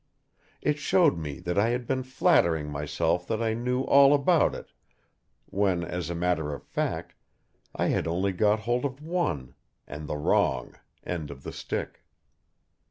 It showed me that I had been flattering myself that I knew all about it when, as a matter of fact, I had only got hold of one and the wrong end of the stick.